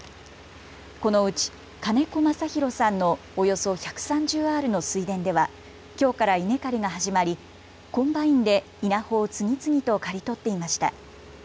このうち金子昌弘さんのおよそ１３０アールの水田ではきょうから稲刈りが始まりコンバインで稲穂を次々と刈り取っていました。